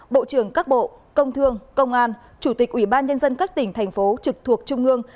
bộ trưởng các bộ công thương công an chủ tịch ủy ban nhân dân các tỉnh thành phố trực thuộc trung ương